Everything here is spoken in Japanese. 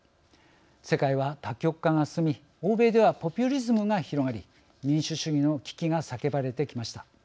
世界は多極化が進み欧米では、ポピュリズムが広がり民主主義の危機が叫ばれてきました。